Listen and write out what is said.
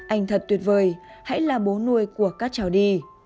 anh thật tuyệt vời hãy là bố nuôi của các cháu đi